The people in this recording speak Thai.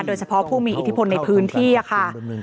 โดยเฉพาะผู้มีอิทธิพลในพื้นที่ค่ะ